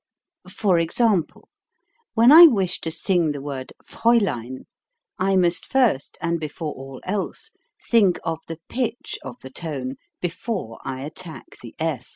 For example, when I wish to sing the word "Fraulein," I must first, and before all else, think of the pitch of the tone, before I attack the